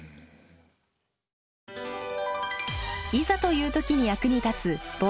いざという時に役に立つ防災の知恵。